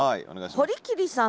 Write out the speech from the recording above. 堀切さん。